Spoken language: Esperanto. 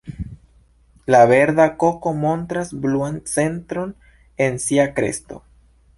La Verda koko montras bluan centron en sia kresto.